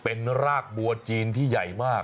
เป็นรากบัวจีนที่ใหญ่มาก